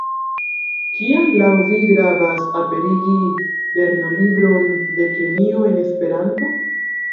Kial laŭ vi gravas aperigi lernolibron de kemio en Esperanto?